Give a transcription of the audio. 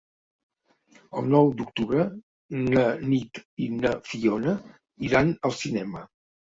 El nou d'octubre na Nit i na Fiona iran al cinema.